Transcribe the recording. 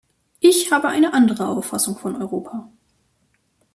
Ich habe eine andere Auffassung von Europa.